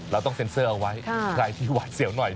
เราต้องเซ็นเซอร์เอาไว้ใครที่หวาดเสียวหน่อย